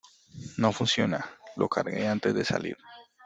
No funciona. Lo cargué antes de salir .